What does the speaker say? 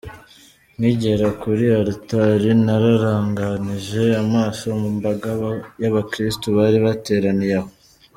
Nkigera kuri Alitari nararanganije amaso mu mbaga y’abakristu bari bateraniye aho.